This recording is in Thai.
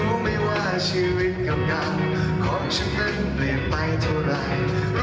รู้ไหมว่าชีวิตกับเราของฉันนั้นเปลี่ยนไปเท่าไหร่